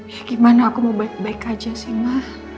ya gimana aku mau baik baik aja sih mah